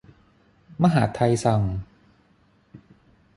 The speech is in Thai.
มหาดไทยสั่ง